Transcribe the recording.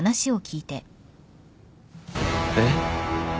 えっ？